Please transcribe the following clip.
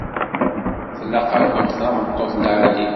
Tlaq-akent tameṭṭut lɛali.